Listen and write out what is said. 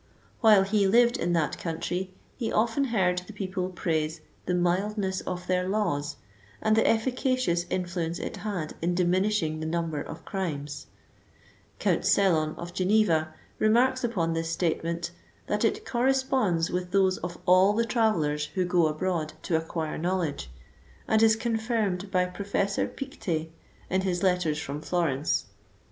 While he lived in that country, he often heard the people praise '* the mildness of their laws, and the efficacious influence it had in diminishing the number of critnes,^* Count Sellon, of Geneva, remarks upon this statement, that it '< corresponds with those of all the travel lers who go abroad to acquire knowledge, and is confirmed by Professor Pictet, in his letters from Florence."